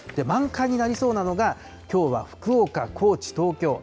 満開になりそうなのが、きょうは福岡、高知、東京。